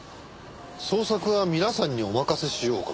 捜索は皆さんにお任せしようかと。